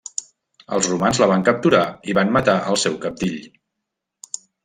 Els romans la van capturar i van matar el seu cabdill.